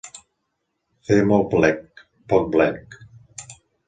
Fer molt blec, poc blec.